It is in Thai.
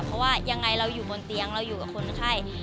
เพราะว่ายังไงเราอยู่บนเตียงเราอยู่กับคนไข้